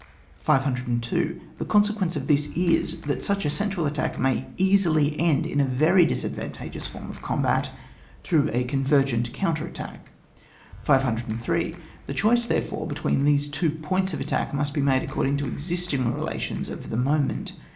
502. The consequence of this is, that such a central attack may easily end in a very disadvantageous form of combat, through a convergent counter attack. 503. The choice, therefore, between these two points of attack, must be made according to the existing relations of the moment.